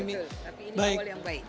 tapi ini awal yang baik